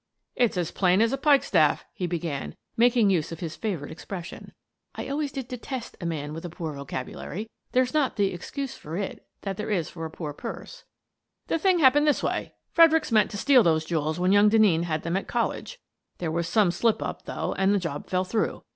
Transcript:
" It's as plain as a pikestaff," he began, making use of his favourite expression. (I always did detest a man with a poor vocabulary : there's not the ex cuse for it that there is for a poor purse.) " The thing happened this way: Fredericks meant to steal those jewels when young Denneen had them at college. There was some slip up, though, and the job fell through.